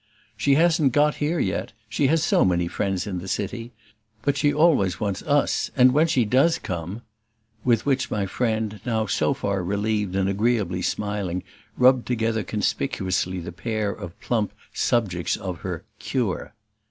"She hasn't got here yet she has so many friends in the city. But she always wants US, and when she does come !" With which my friend, now so far relieved and agreeably smiling, rubbed together conspicuously the pair of plump subjects of her "cure."